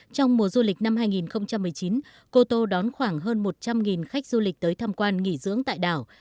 trong mùa du lịch năm hai nghìn một mươi chín cô tô đón khoảng hơn một trăm linh khách du lịch tới tham quan nghỉ dưỡng tại đảo